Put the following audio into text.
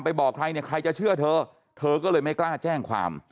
บอกใครเนี่ยใครจะเชื่อเธอเธอก็เลยไม่กล้าแจ้งความ